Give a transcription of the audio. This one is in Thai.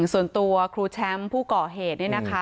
ส่วนตัวครูแชมป์ผู้ก่อเหตุเนี่ยนะคะ